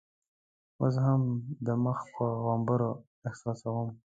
اوس هم د مخ پر غومبرو احساسوم.